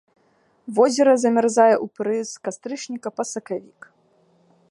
Возера замярзае ў перыяд з кастрычніка па сакавік.